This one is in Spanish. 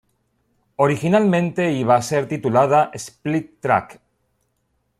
Originalmente, iba a ser titulada "Split Track".